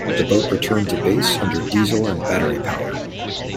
The boat returned to base under diesel and battery power.